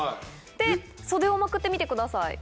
袖をまくってみてください。